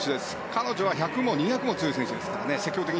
彼女は１００も２００も強い選手ですからね。